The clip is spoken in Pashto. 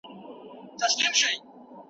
له دوستانو سره مخامخ وګورئ.